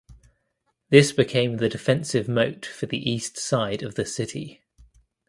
This became the defensive moat for the east side of the city.